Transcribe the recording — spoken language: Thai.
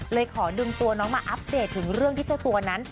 เลยขอดึงตัวน้องมาอัพเฟรดถึงเรื่องพิษวะตัวนั้น